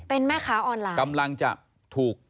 เป็นแม่ค้าออนไลน์